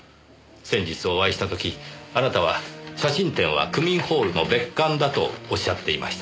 先日お会いした時あなたは写真展は区民ホールの別館だとおっしゃっていました。